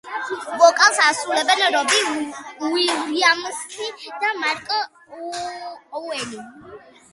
ვოკალს ასრულებენ რობი უილიამსი და მარკ ოუენი.